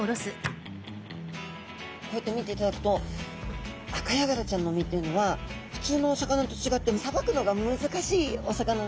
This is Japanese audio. こうやって見ていただくとアカヤガラちゃんの身っていうのは普通のお魚と違ってさばくのが難しいお魚なんですね。